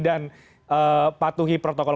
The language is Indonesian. dan patuhi protokol